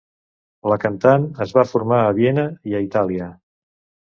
La cantant es va formar a Viena i a Itàlia.